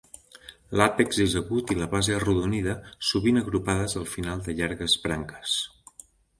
L'àpex és agut i la base arrodonida, sovint agrupades al final de llargues branques.